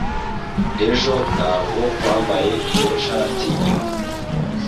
Ejo ntabwo wambaye iyo shati imwe